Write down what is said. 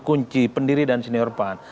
kunci pendiri dan senior pan